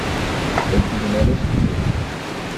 Только не надо стулом!